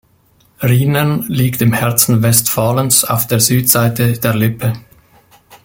Rhynern liegt im Herzen Westfalens auf der Südseite der Lippe.